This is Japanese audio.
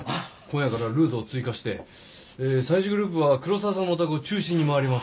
今夜からはルートを追加して最終グループは黒沢さんのお宅を中心に回りますから。